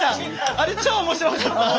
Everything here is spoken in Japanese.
あれ超面白かった。